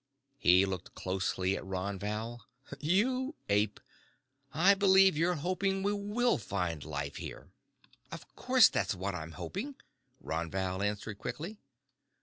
He looked closely at Ron Val. "You ape! I believe you're hoping we will find life here." "Of course that's what I'm hoping," Ron Val answered quickly.